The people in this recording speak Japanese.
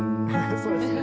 そうですね。